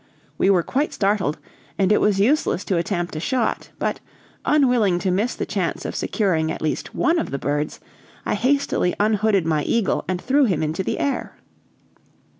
We were quite startled, and it was useless to attempt a shot; but unwilling to miss the chance of securing at least one of the birds, I hastily unhooded my eagle, and threw him into the air.